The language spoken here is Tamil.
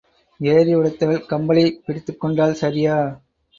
ஏரி உடைத்தவள் கம்பளியைப் பிடித்துக் கொண்டால் சரியா?